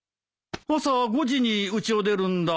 朝５時にうちを出るんだ。